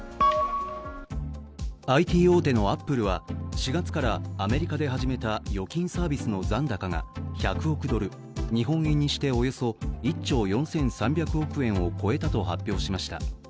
ＩＴ大手のアップルは４月からアメリカで始めた預金サービスの残高が１００億ドル、日本円にしておよそ１兆４３００億円を超えたと発表しました。